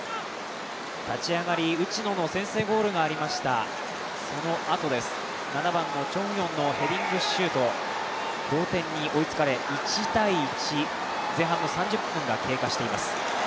立ち上がり、内野の先制ゴールがありました、そのあとです、７番のチョン・ウヨンのヘディングシュート同点に追いつかれ、１−１。